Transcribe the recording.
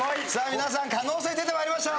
皆さん可能性出てまいりました。